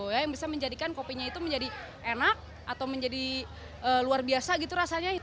yang bisa menjadikan kopinya itu menjadi enak atau menjadi luar biasa gitu rasanya